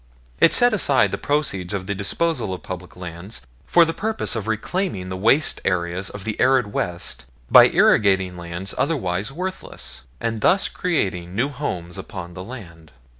It set aside the proceeds of the disposal of public lands for the purpose of reclaiming the waste areas of the arid West by irrigating lands otherwise worthless, and thus creating new homes upon the land.